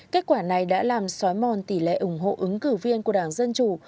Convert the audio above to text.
kết quả này đã làm xói mòn tỷ lệ ủng hộ ứng cử viên của đảng dân chủ